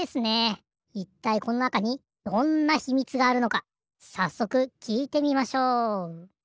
いったいこのなかにどんな秘密があるのかさっそくきいてみましょう。